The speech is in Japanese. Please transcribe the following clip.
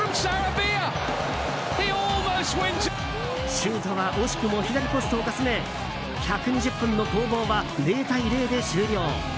シュートは惜しくも左ポストをかすめ１２０分の攻防は０対０で終了。